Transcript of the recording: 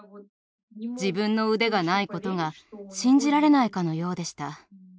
自分の腕がないことが信じられないかのようでした。